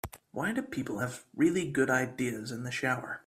Why do people have really good ideas in the shower?